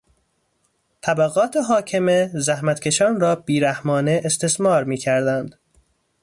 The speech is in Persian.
طبقات حاکمه زحمتکشان را بی رحمانه استثمار میکردند.